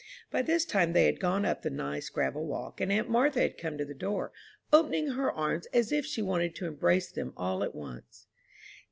By this time they had gone up the nice gravel walk, and aunt Martha had come to the door, opening her arms as if she wanted to embrace them all at once.